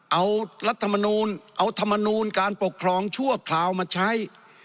เอารัฐมนูญการปกครองชั่วคราวมาใช้